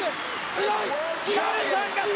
強い！